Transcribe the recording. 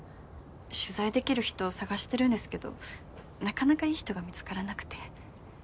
取材できる人探してるんですけどなかなかいい人が見つからなくて。